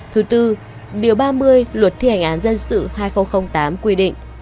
thứ tư điều ba mươi luật thi hành án dân sự hai nghìn tám quy định